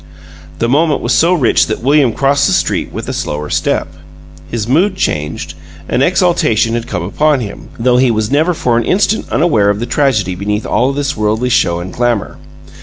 The moment was so rich that William crossed the street with a slower step. His mood changed: an exaltation had come upon him, though he was never for an instant unaware of the tragedy beneath all this worldly show and glamor.